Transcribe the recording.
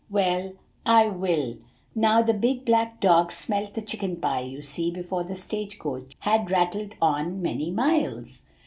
"Well, I will. Now, the big black dog smelt the chicken pie, you see, before the stage coach had rattled on many miles."